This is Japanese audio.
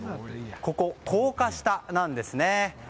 ここ、高架下なんですね。